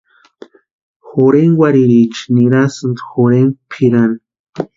Jorhenkwarhiriecha nirasïnti jorhenkwa pʼirani.